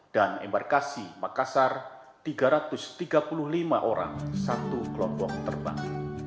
embarkasi makassar tiga ratus tiga puluh lima orang satu kelompok terbang